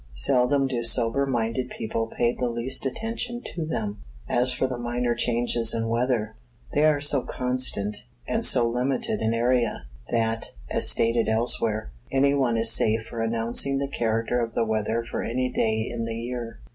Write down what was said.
Seldom do sober minded people pay the least attention to them. As for minor changes in weather, they are so constant, and so limited in area, that, as stated elsewhere, any one is safe for announcing the character of the weather for any day in the year.